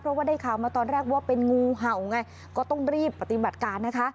เพราะว่าได้ข่าวมาตอนแรกว่าเป็นงูเห่าไงก็ต้องรีบปฏิบัติการนะคะ